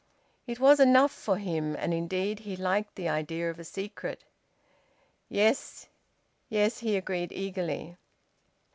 It was enough for him, and indeed he liked the idea of a secret. "Yes, yes," he agreed eagerly.